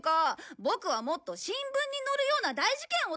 ボクはもっと新聞に載るような大事件を撮りたいんだよ。